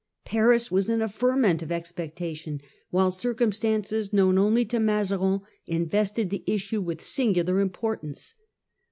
Paris was in a ferment of expectation ; while circumstances known only to Mazarin invested the issue with singular importance.